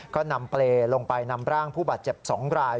ก็นำเปรย์ลงไปนำร่างผู้บาดเจ็บ๒ราย